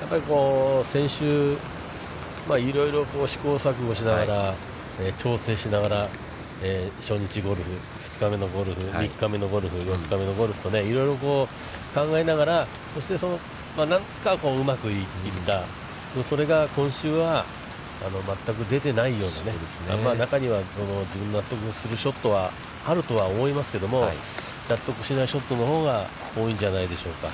やっぱり先週、いろいろ試行錯誤しながら、調整しながら、初日のゴルフ、２日目のゴルフ、３日目のゴルフ、４日目のゴルフといろいろ考えながら、なんかうまくいった、それが今週は全く出てないようなね、やっぱり中には自分の納得するショットはあるとは思いますけども、納得してないショットのほうが多いんじゃないでしょうか。